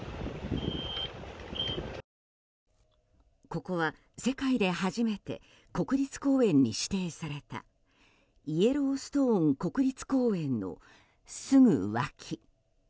ここは世界で初めて国立公園に指定されたイエローストーン国立公園のすぐ脇。